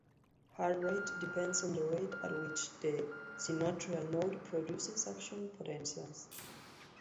Heart rate depends on the rate at which the sinoatrial node produces action potentials.